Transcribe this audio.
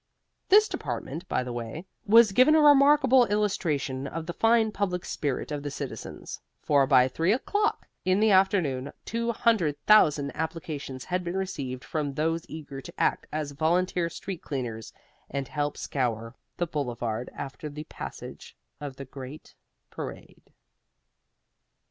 This department, by the way, was given a remarkable illustration of the fine public spirit of the citizens, for by three o'clock in the afternoon two hundred thousand applications had been received from those eager to act as volunteer street cleaners and help scour the Boulevard after the passage of the great parade.